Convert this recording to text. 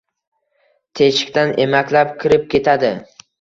Teshikdan emaklab kirib ketadi.